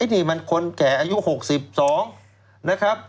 นี่มันคนแก่อายุ๖๒นะครับ